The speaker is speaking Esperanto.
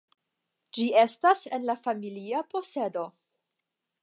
Ĝi estas en familia posedo.